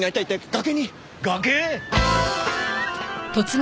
崖！？